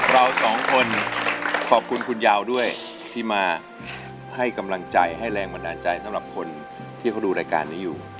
เราสองคนขอบคุณคุณยาวด้วยที่มาให้กำลังใจให้แรงบันดาลใจสำหรับคนที่เขาดูรายการนี้อยู่